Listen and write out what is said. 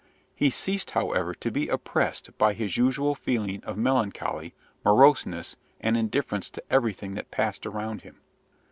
He ceased, however, to be oppressed by his usual feeling of melancholy, moroseness, and indifference to everything that passed around him.